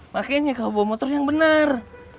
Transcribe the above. pakainya kau bawa motor yang bener